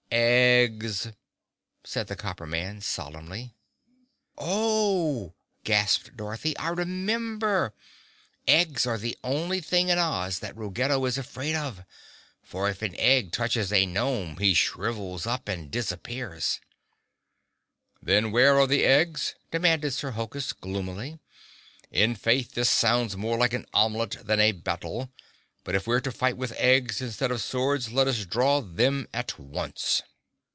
"Eggs," said the Copper Man solemnly. "Oh!" gasped Dorothy, "I remember. Eggs are the only things in Oz that Ruggedo is afraid of; for if an egg touches a gnome he shrivels up and disappears." "Then where are the eggs?" demanded Sir Hokus gloomily. "In faith, this sounds more like an omelet than a battle. But if we're to fight with eggs instead of swords, let us draw them at once."